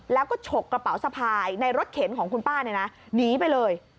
แล้วก็ฉกกระเป๋าสะพายในรถเข็นของคุณป้าเนี่ยนะหนีไปเลย